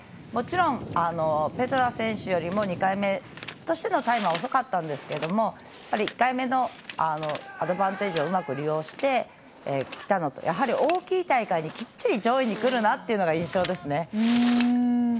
もちろん、ペトラ選手よりも２回目のタイムとしては遅かったんですけど、１回目のアドバンテージをうまく利用してきたのと大きい大会できっちり上位にくるなっていう印象ですね。